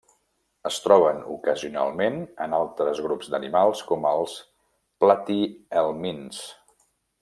Es troben ocasionalment en altres grups d'animals com els platihelmints.